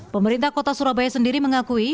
pemerintah kota surabaya sendiri mengakui